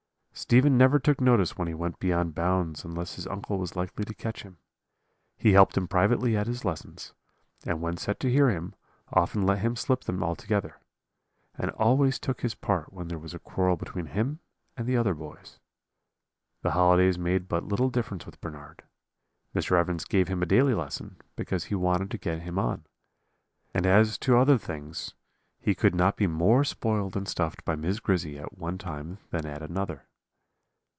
"Stephen never took notice when he went beyond bounds unless his uncle was likely to catch him. He helped him privately at his lessons; and when set to hear him, often let him slip them altogether; and always took his part when there was a quarrel between him and the other boys. The holidays made but little difference with Bernard. Mr. Evans gave him a daily lesson, because he wanted to get him on. And as to other things, he could not be more spoiled and stuffed by Miss Grizzy at one time than at another.